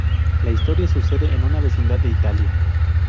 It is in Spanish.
La historia sucede en una vecindad de Italia.